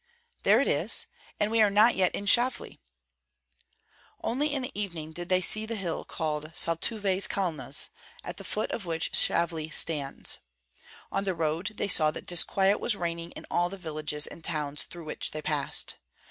"There it is! And we are not yet in Shavli." Only in the evening did they see the hill called Saltuves Kalnas, at the foot of which Shavli stands. On the road they saw that disquiet was reigning in all the villages and towns through which they passed.